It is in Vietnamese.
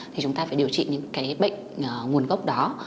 thì chúng ta phải điều trị những cái bệnh nguồn gốc đó